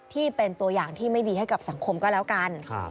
ที่เป็นตัวอย่างที่ไม่ดีให้กับสังคมก็แล้วกัน